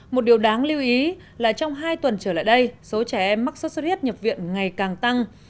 một điều đáng lưu ý là trong hai tuần trở lại đây số trẻ em mắc sốt xuất huyết nhập viện ngày càng tăng